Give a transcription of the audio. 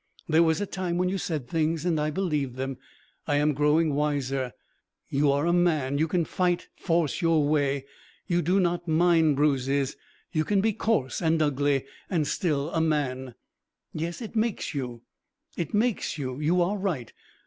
There was a time when you said things and I believed them. I am growing wiser. You are a man, you can fight, force your way. You do not mind bruises. You can be coarse and ugly, and still a man. Yes it makes you. It makes you. You are right.